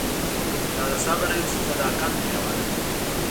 دا د صبر او صداقت مېوه ده.